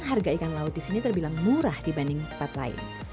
harga ikan laut di sini terbilang murah dibanding tempat lain